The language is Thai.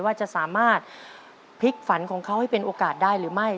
ว่าจะสามารถพลิกฝันของเขาให้เป็นโอกาสได้หรือไม่